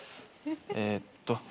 えーっと。